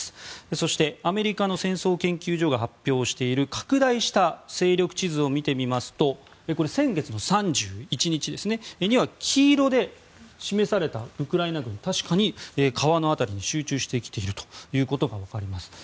そしてアメリカの戦争研究所が発表している拡大した勢力地図を見てみますと先月の３１日には黄色で示されたウクライナ軍確かに川の辺りに集中してきているということが分かります。